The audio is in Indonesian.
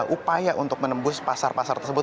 upaya untuk menembus pasar pasar tersebut